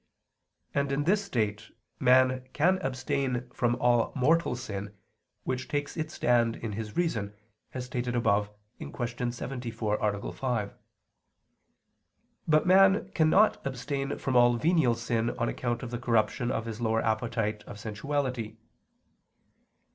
And in this state man can abstain from all mortal sin, which takes its stand in his reason, as stated above (Q. 74, A. 5); but man cannot abstain from all venial sin on account of the corruption of his lower appetite of sensuality.